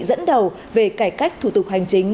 dẫn đầu về cải cách thủ tục hành chính